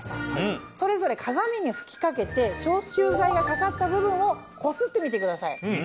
それぞれ鏡に吹きかけて消臭剤がかかった部分をこすってみてください。